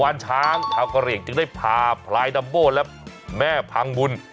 วานช้างชาวกะเหลี่ยงจึงได้พาพลายดัมโบและแม่พังบุญ